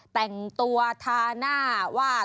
แต่งตัวทาหน้าวาด